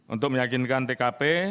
untuk meyakinkan tkp